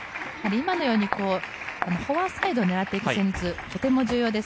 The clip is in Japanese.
今のようにフォアサイドを狙っていく戦術とても重要です。